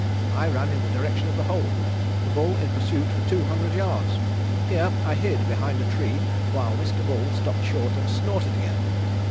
I ran in the direction of the hole, the bull in pursuit for two hundred yards. Here I hid behind a tree while Mr. Bull stopped short and snorted again.